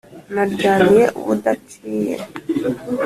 Naryamiye ubudaciye